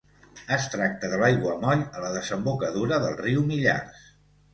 Es tracta de l'aiguamoll a la desembocadura del riu Millars.